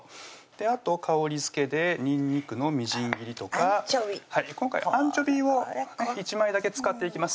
あと香りづけでにんにくのみじん切りとかアンチョビー今回アンチョビーを１枚だけ使います